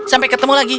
sampai ketemu lagi